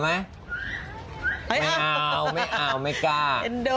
ไม่เอาไม่กล้า